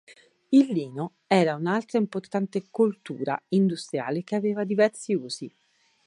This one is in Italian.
Il lino era un'altra importante coltura industriale che aveva diversi usi.